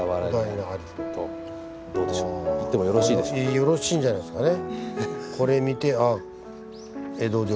よろしいんじゃないですかね。